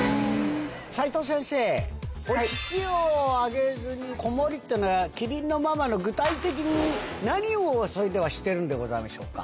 齋藤先生、お乳をあげずに子守りというのは、キリンのママの具体的に何を、それではしてるんでしょうか？